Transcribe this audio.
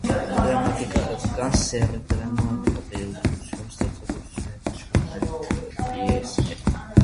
Դրամատիկական սեռի (դրամա, թատերգություն) ստեղծագործությունները կոչվում են նաև պիեսներ։